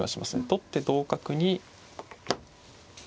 取って同角に。